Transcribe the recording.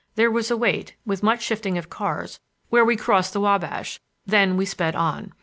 There was a wait, with much shifting of cars, where we crossed the Wabash, then we sped on.